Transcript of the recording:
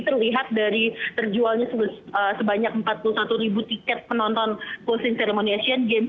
terlihat dari terjualnya sebanyak empat puluh satu ribu tiket penonton closing ceremony asian games